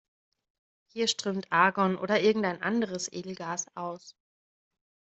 Hier strömt Argon oder irgendein anderes Edelgas aus.